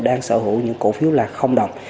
đang sở hữu những cổ phiếu là không đồng